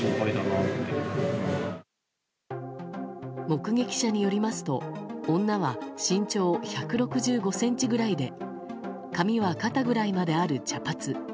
目撃者によりますと女は、身長１６５ｃｍぐらいで髪は肩ぐらいまである茶髪。